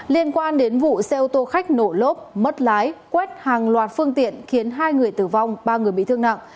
liên quan đến vụ xe ô tô khách nổ lốp mất lái quét hàng loạt phương tiện khiến hai người tử vong ba người bị thương nặng